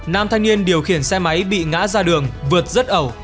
nam thanh niên điều khiển xe máy bị ngã ra đường vượt rứt ẩu